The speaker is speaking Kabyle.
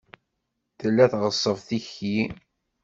Tella tɣeṣṣeb tikli.